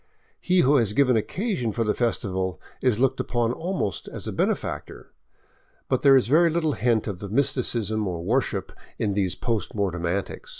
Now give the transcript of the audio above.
He who has given occasion for the festival is looked upon almost as a benefactor. But there is very little hint of mysticism or worship in these post mortem antics.